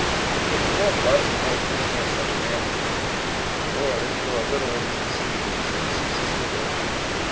But the world loves and worships no such man as this ; or if for a little it is deceived, it soon ceases to wor ship.